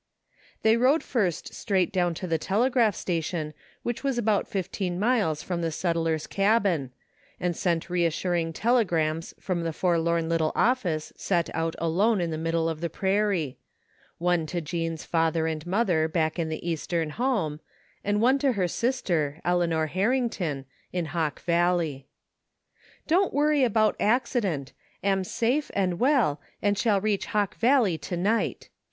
They rode first straight down to the telegraph sta tion which was about fifteen miles from the settler's cabin, and sent reassuring telegrams from the forlorn little office set out alone in the middle of the prairie; one to Jean's father and mother back in the eastern home, and one to her sister, Eleanor Harrington, in Hawk Valley. 72 THE FINDING OF JASPER HOLT it Don't worry about accident Am safe and well and shall reach Hawk Valley to night.